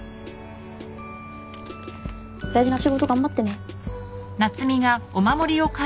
大事な仕事頑張ってね。